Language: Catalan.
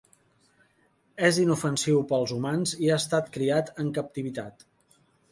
És inofensiu per als humans i ha estat criat en captivitat.